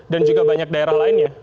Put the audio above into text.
dan juga banyak daerah lainnya